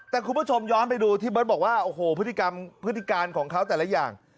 แต่คุณผู้ชมย้อนไปดูที่เบิร์ตบอกว่าโอ้โหพฤติกรรมพฤติการของเขาแต่ละอย่าง